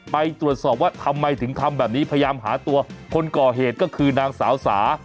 ไปตรวจสอบว่าทำไมถึงทำแบบนี้พยายามหาตัวคนก่อเหตุก็คือนางสาวสา